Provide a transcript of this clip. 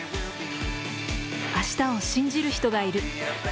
明日を信じる人がいる。